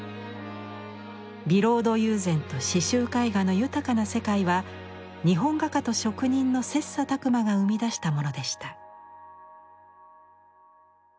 ビロード友禅と刺繍絵画の豊かな世界は日本画家と職人の切磋琢磨が生み出したものでした。